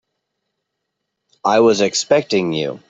I was expecting you.